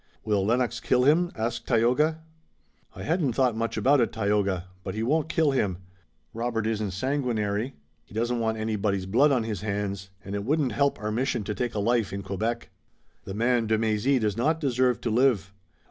"Will Lennox kill him?" asked Tayoga. "I hadn't thought much about it, Tayoga, but he won't kill him. Robert isn't sanguinary. He doesn't want anybody's blood on his hands, and it wouldn't help our mission to take a life in Quebec." "The man de Mézy does not deserve to live."